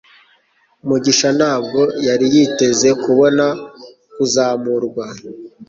mugisha ntabwo yari yiteze kubona kuzamurwa